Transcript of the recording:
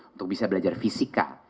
untuk bisa belajar fisika